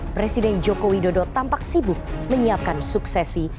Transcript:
presiden jokowi dodo tampak sibuk menyiapkan suksesi